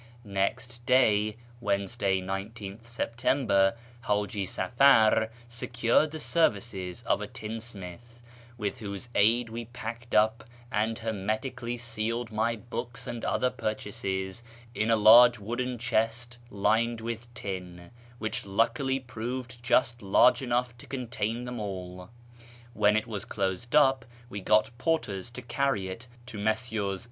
Next day (Wednesday, 19 th September) Haji Safar secured the services of a tinsmith, with whose aid we packed up and hermetically sealed my books and other purchases in a large wooden chest lined with tin, which luckily proved just large enough to contain them all. When it w^as closed up, we got porters to carry it to Messrs.